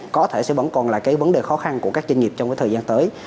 có thể sẽ vẫn còn là cái vấn đề khó khăn của các doanh nghiệp trong cái thời gian tới